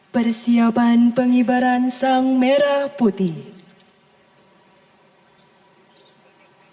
persiapan pengibaran sang merah putih